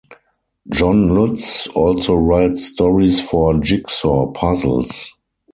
John Lutz also writes stories for jigsaw puzzles.